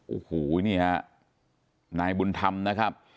โอ้โหนี่ฮะนายบุญธรรมนะครับ